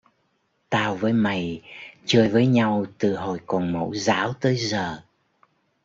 Tao với mày chơi với nhau từ hồi còn mẫu giáo tới giờ